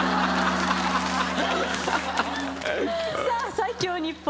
最強日本